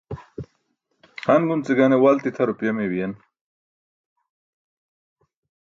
han gunce gane walti tʰa rupaya mey biyen.